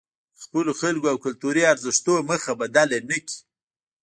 د خپلو خلکو او کلتوري ارزښتونو مخه بدله نکړي.